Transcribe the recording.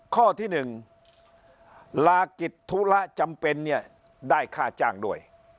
ข้อที่๑ลากิจธุระจำเป็นเนี่ยได้ค่าจ้างด้วย